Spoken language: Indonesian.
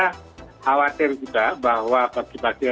khawatir juga bahwa bagi bagi